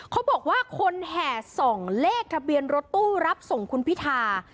เขาบอกว่าคนแห่ส่องเลขทะเบียนรถตู้รับส่งคุณพิธา